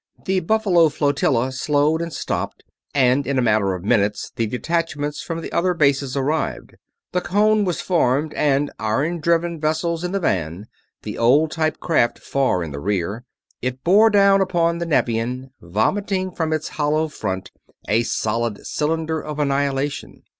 The Buffalo flotilla slowed and stopped, and in a matter of minutes the detachments from the other bases arrived. The cone was formed and, iron driven vessels in the van, the old type craft far in the rear, it bore down upon the Nevian, vomiting from its hollow front a solid cylinder of annihilation.